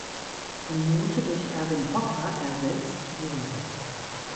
Minute durch Erwin Hoffer ersetzt wurde.